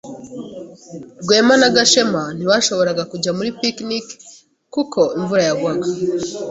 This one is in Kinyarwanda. Rwema na Gashema ntibashoboraga kujya muri picnic kuko imvura yagwaga.